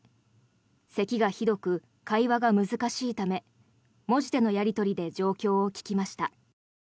せきがひどく、会話が難しいため文字でのやり取りで状況を聞きました。